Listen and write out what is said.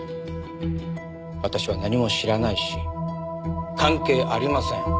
私は何も知らないし関係ありません。